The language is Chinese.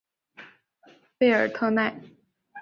贝尔特奈。